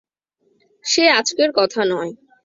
সে আজকের কথা নয়।